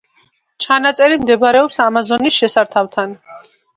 ქალაქი მდებარებს ამაზონის შესართავთან.